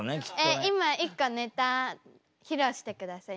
えっ今一個ネタ披露してください。